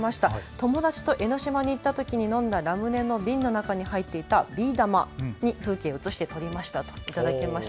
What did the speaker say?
友達と江の島に行ったときに飲んだラムネの瓶の中に入っていたビー玉に風景を写して撮りましたと頂きました。